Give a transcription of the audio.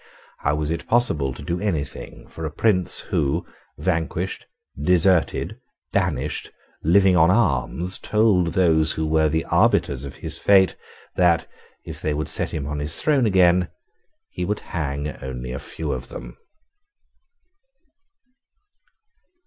How was it possible to do any thing for a prince who, vanquished, deserted, banished, living on alms, told those who were the arbiters of his fate that, if they would set him on his throne again, he would hang only a few of them?